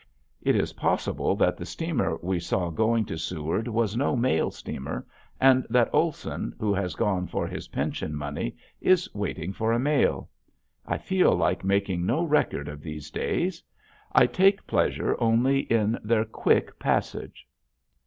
It is possible that the steamer we saw going to Seward was no mail steamer, and that Olson, who has gone for his pension money, is waiting for a mail. I feel like making no record of these days. I take pleasure only in their quick passage.